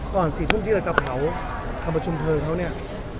ก่อน๔ทุ่มที่เราจะเผาความประชุมเทอมเขาเนี่ย